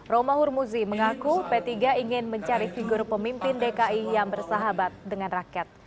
romahur muzi mengaku p tiga ingin mencari figur pemimpin dki yang bersahabat dengan rakyat